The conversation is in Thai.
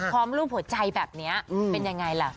รูปหัวใจแบบนี้เป็นยังไงล่ะ